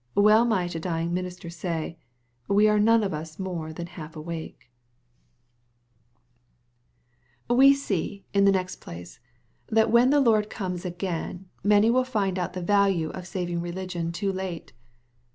Well might a dying minister say, "wo are none of us more than half awake." MATTHEW, CHAP. XXV. 383 We see, in the next place, that whe^i the Lord comes agaiuj many will find out the value of saving religion too late.